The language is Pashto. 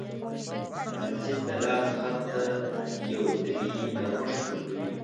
پنسل د لاس خط ته یو طبیعي نرمښت ورکوي.